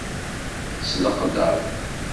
S leqdeṛ!